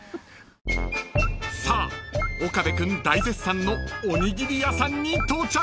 ［さあ岡部君大絶賛のおにぎり屋さんに到着］